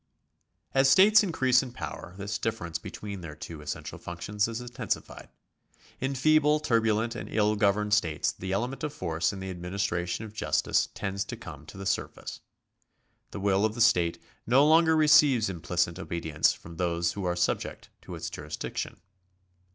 As states increase in power, this difference between their two essential functions is intensified. In feeble, turbulent, and ill governed states the element of force in the administration of justice tends to come to the surface. The will of the state no longer receives implicit obedience from those that are subject to its jurisdiction.